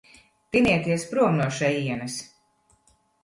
Tinieties prom no šejienes.